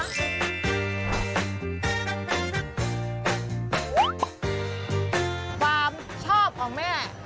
ความชอบของแม่